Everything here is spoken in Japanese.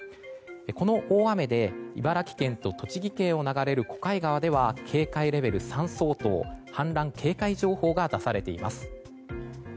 この大雨で茨城県と栃木県を流れる小貝川では警戒レベル３相当氾濫警戒情報が出されています。